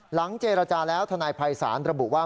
เจรจาแล้วทนายภัยศาลระบุว่า